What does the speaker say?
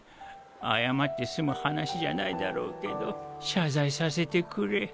謝って済む話じゃないだろうけど謝罪させてくれ。